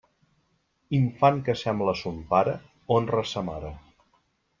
Infant que sembla a son pare honra a sa mare.